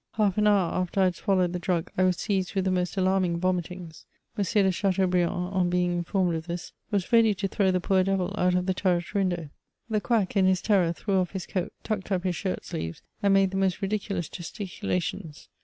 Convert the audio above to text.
Half an hour after I had swallowed the drug, I was seized with the most alarming vomitings. M. de Chateaubriand, on being informed of this, was ready to throw the poor devil out of the turret window. The quack, in his terror, threw off laa coat, tucked up his shirt sleeves, and made the most ridiculous gesticulations.